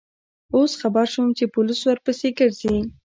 اوس خبر شوم چې پولیس ورپسې گرځي.